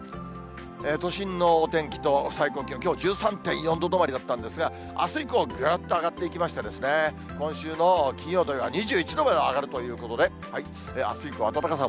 都心のお天気と最高気温、きょう１３．４度止まりだったんですが、あす以降、ぐっと上がっていきましてですね、今週の金曜、土曜は２１度まで上がるということで、あす以降、暖かさ